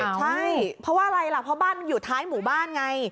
ใช่เพราะว่าอะไรล่ะเพราะบ้านอยู่ท้ายหมู่บ้านไง